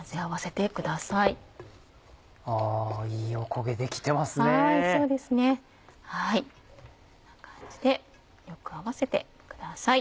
こんな感じでよく合わせてください。